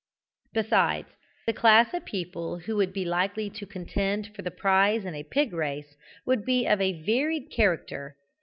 Besides, the class of people who would be likely to contend for the prize in a pig race would be of a varied character.